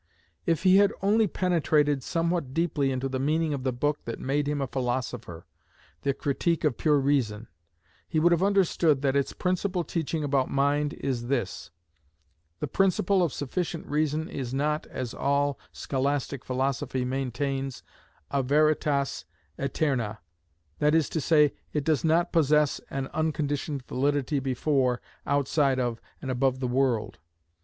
If he had only penetrated somewhat deeply into the meaning of the book that made him a philosopher, "The Critique of Pure Reason," he would have understood that its principal teaching about mind is this. The principle of sufficient reason is not, as all scholastic philosophy maintains, a veritas aeterna—that is to say, it does not possess an unconditioned validity before, outside of, and above the world.